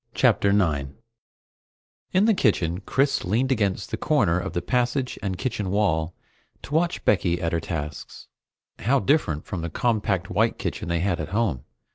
CHAPTER 9 In the kitchen, Chris leaned against the corner of the passage and kitchen wall to watch Becky at her tasks. How different from the compact white kitchen they had at home!